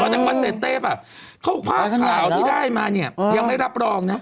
จากวัดเต้ป่ะเขาบอกผ้าข่าวที่ได้มาเนี่ยยังไม่รับรองนะ